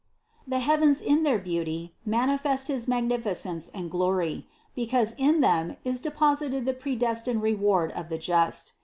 The heavens in their beauty manifest his magnificence and glory, because in them is deposited the predestined reward of the just.